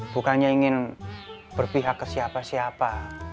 bukannya ingin berpihak ke siapa siapa